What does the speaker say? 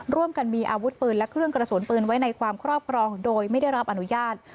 ร่วมกันมีอาวุธปืนและเครื่องกระสุนปืนไว้ในความครอบครองโดยไม่ได้รับอนุญาต